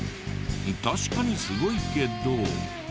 確かにすごいけど。